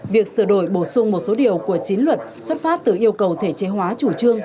việc sửa đổi bổ sung một số điều của chính luật xuất phát từ yêu cầu thể chế hóa chủ trương